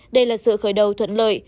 đây là sự khởi đầu thuận lợi